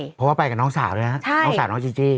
เพราะว่าไปกับน้องสาวด้วยนะน้องสาวน้องจีจี้